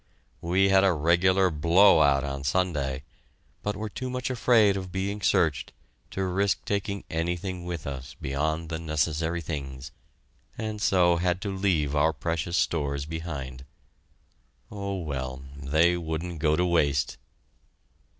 We had a regular blow out on Sunday, but were too much afraid of being searched to risk taking anything with us beyond the necessary things, and so had to leave our precious stores behind. Oh, well they wouldn't go to waste!